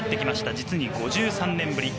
実に５３年ぶり。